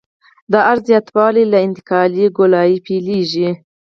د عرض زیاتوالی له انتقالي ګولایي پیلیږي